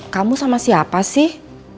kamu sama siapa sih